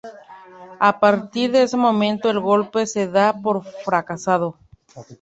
A partir de ese momento el golpe se da por fracasado.